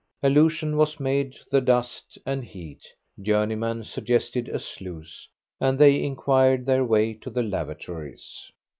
Allusion was made to the dust and heat. Journeyman suggested a sluice, and they inquired their way to the lavatories.